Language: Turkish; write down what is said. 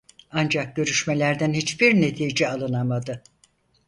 Ancak görüşmelerden hiçbir netice alınamadı.